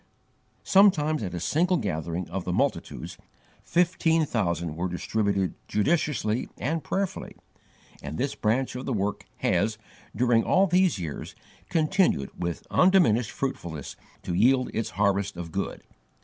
Sometimes, at a single gathering of the multitudes, fifteen thousand were distributed judiciously and prayerfully, and this branch of the work has, during all these years, continued with undiminished fruitfulness to yield its harvest of good.